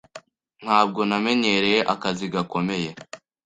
Ntabwo namenyereye akazi gakomeye.